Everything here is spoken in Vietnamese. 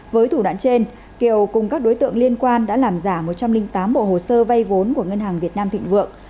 với thủ đoạn trên kiều cùng các đối tượng liên quan đã làm giả một trăm linh tám bộ hồ sơ vay vốn của ngân hàng việt nam thịnh vượng